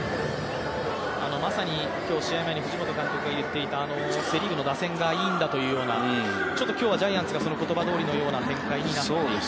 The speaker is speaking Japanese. まさに今日、試合前に藤本監督が言っていたセ・リーグの打線がいいんだというような、今日はジャイアンツがその言葉どおりになっている。